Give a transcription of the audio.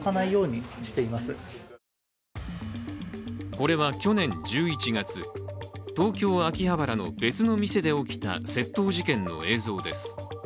これは去年１１月、東京・秋葉原の別の店で起きた窃盗事件の映像です。